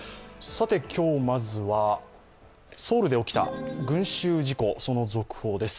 今日、まずはソウルで起きた群集事故、その続報です。